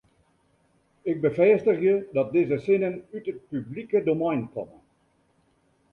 Ik befêstigje dat dizze sinnen út it publike domein komme.